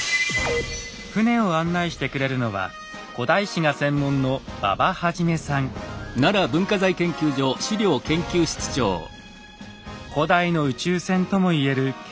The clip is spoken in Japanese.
船を案内してくれるのは古代史が専門の古代の宇宙船とも言える遣唐使船。